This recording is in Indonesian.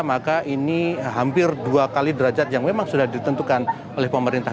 maka ini hampir dua kali derajat yang memang sudah ditentukan oleh pemerintah